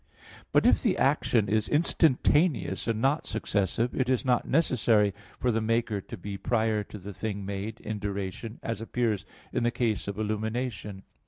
But if the action is instantaneous and not successive, it is not necessary for the maker to be prior to the thing made in duration as appears in the case of illumination.